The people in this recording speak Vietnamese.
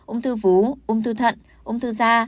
ung thư vú ung thư thận ung thư da